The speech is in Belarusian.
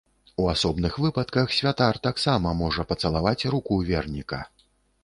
У асобных выпадках святар таксама можа пацалаваць руку верніка.